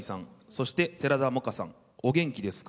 そして寺田もかさんお元気ですか？